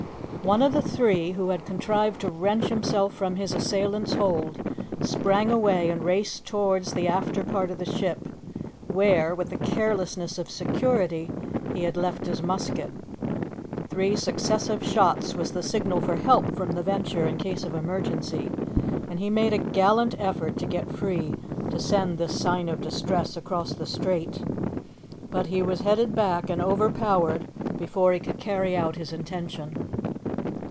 One of the three, who had contrived to wrench himself from his assailant's hold, sprang away and raced towards the after part of the ship, where, with the carelessness of security, he had left his musket. Three successive shots was the signal for help from the Venture in case of emergency, and he made a gallant effort to get free to send this sign of distress across the strait. But he was headed back and overpowered before he could carry out his intention.